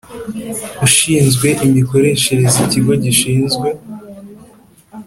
Ushinzwe imikoreshereze ikigo gishinzwe